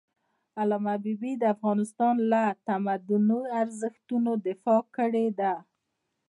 علامه حبيبي د افغانستان له تمدني ارزښتونو دفاع کړی ده.